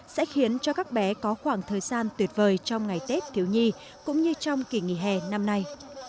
sẽ khiến cho các bé có khoảng thời gian tuyệt vời trong ngày tết thiếu nhi cũng như trong kỳ nghỉ hè năm nay